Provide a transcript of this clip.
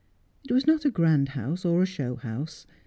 It was not a grand house, i >r a show house.